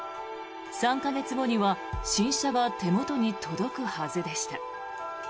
３か月後には新車が手元に届くはずでした。